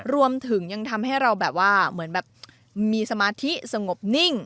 รวมถึงยังทำให้เราแบบว่ามีสมาธิสงบนิ่ง